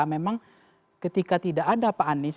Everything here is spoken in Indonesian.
memang ketika tidak ada pak anies